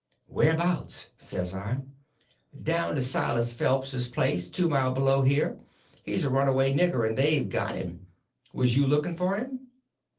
"Whereabouts?" says I. "Down to Silas Phelps' place, two mile below here. He's a runaway nigger, and they've got him. Was you looking for him?"